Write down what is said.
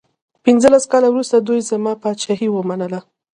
پنځلس کاله وروسته دوی زما پاچهي ومنله.